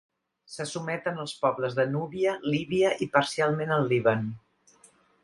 Se sotmeten els pobles de Núbia, Líbia i parcialment el Líban.